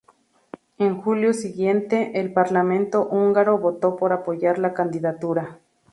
En julio siguiente, el Parlamento Húngaro votó por apoyar la candidatura.